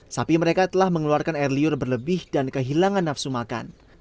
sapi mereka telah mengeluarkan air liur berlebih dan kehilangan nafsu makan